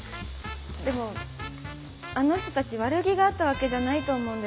でもあの人たち悪気があったわけじゃないと思うんです。